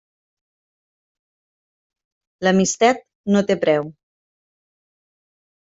L'amistat no té preu.